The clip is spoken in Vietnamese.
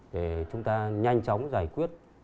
để chúng ta nhanh chóng giải quyết